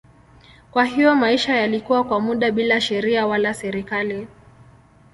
Kwa hiyo maisha yalikuwa kwa muda bila sheria wala serikali.